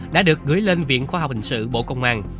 đã được gửi lên viện khoa học hình sự bộ công an